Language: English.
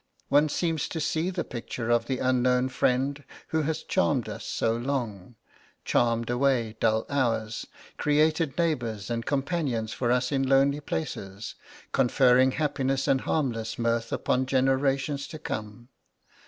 One seems to see the picture of the unknown friend who has charmed us so long charmed away dull hours, created neighbours and companions for us in lonely places, conferring happiness and harmless mirth upon generations to come.